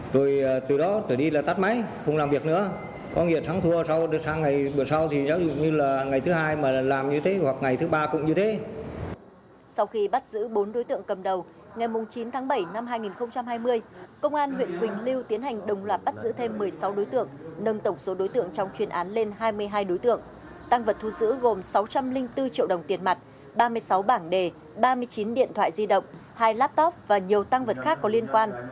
tăng vật thu giữ gồm sáu trăm linh bốn triệu đồng tiền mặt ba mươi sáu bảng đề ba mươi chín điện thoại di động hai laptop và nhiều tăng vật khác có liên quan